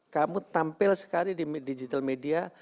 kamu tampil sekali di digital media